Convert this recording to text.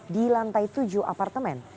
di lantai tujuh apartemen